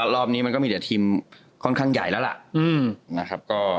แล้วรอบนี้มันก็มีแค่ทีมค่อนข้างใหญ่แล้วล่ะ